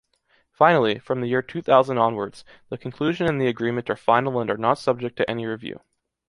Finally, from the year two thousand onwards, the conclusion and the agreement are final and are not subject to any review.